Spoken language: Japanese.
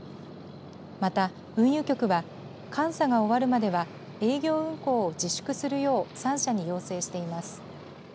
また運輸局は監査が終わるまでは営業運航を自粛するよう３社に要請しています。